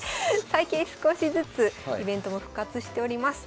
最近少しずつイベントも復活しております。